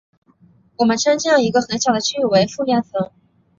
我们称这样一个很小的区域为附面层。